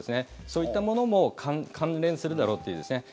そういったものも関連するだろうというんですね。